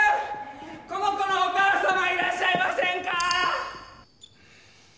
この子のお母様いらっしゃいませんか？